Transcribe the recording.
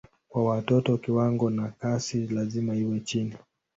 Kwa watoto kiwango na kasi lazima iwe chini.